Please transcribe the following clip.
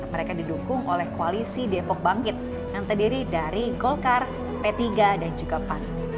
mereka didukung oleh koalisi depok bangkit yang terdiri dari golkar p tiga dan juga pan